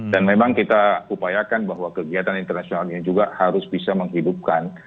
dan memang kita upayakan bahwa kegiatan internasional ini juga harus bisa menghidupkan